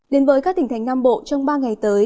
đến với các tỉnh thành nam bộ trong ba ngày tới